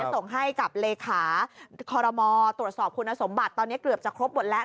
ส่งให้กับเลขาคอรมอตรวจสอบคุณสมบัติตอนนี้เกือบจะครบหมดแล้ว